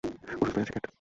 ও সুস্থই আছে, ক্যাট।